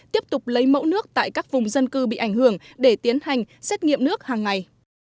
tiếp tục lấy mẫu nước tại các vùng dân cư bị ảnh hưởng để tiến hành xét nghiệm nước hàng ngày